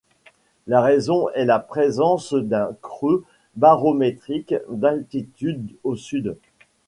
La raison est la présence d'un creux barométrique d'altitude au Sud.